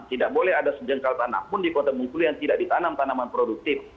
tidak boleh ada sejengkal tanah pun di kota bungkulu yang tidak ditanam tanaman produktif